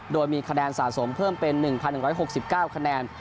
โดยมีคะแนนสะสมเพิ่มเป็น๑๑๖๙คะแนน